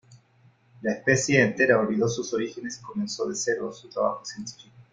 La especie entera olvidó sus orígenes y comenzó de cero su trabajo científico.